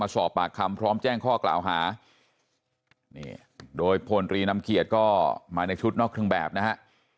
มาสอบปากคำพร้อมแจ้งข้อกล่าวหาโดยพลนุษย์รีนำเกียจก็มาในชุดนอกถึงแบบนะฮะ